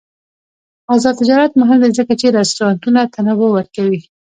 آزاد تجارت مهم دی ځکه چې رستورانټونه تنوع ورکوي.